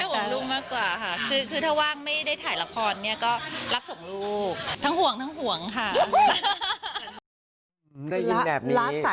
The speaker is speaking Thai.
คุณแม่ห่วงลูกมากกว่าค่ะคือถ้าว่างไม่ได้ถ่ายละครก็รับส่งลูก